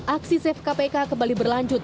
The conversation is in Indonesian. aksi safe kpk kembali berlanjut